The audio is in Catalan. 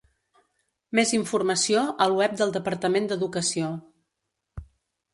Més informació al web del Departament d'Educació.